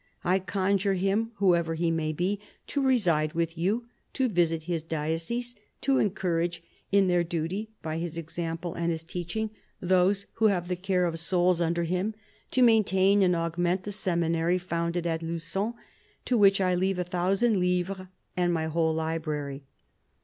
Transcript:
... I conjure him, whoever he may be, to reside with you, to visit his diocese, to encourage in their duty, by his example and his teaching, those who have the care of souls under him, to maintain and augment the seminary founded at Lugon, to which I leave a thousand livres and my whole library.